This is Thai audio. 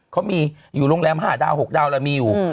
เขามีอยู่โรงแรมห้าดาวน์หกดาวน์ละมีอยู่